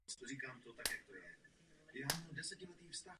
Ještě jednou Vám velmi děkuji za všechny Vaše připomínky.